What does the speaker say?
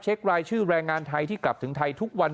รายชื่อแรงงานไทยที่กลับถึงไทยทุกวัน